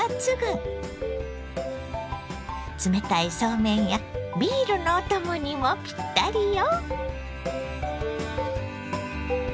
冷たいそうめんやビールのお供にもぴったりよ。